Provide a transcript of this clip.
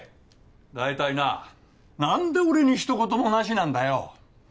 大体な何で俺に一言もなしなんだよ！